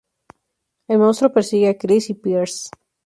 El monstruo persigue a Chris y Piers.